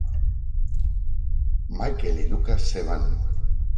Michael y Lucas se van.